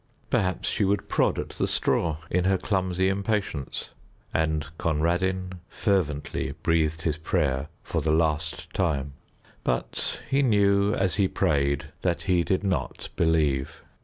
Perhaps she would prod at the straw in her clumsy impatience. And Conradin fervently breathed his prayer for the last time. But he knew as he prayed that he did not believe.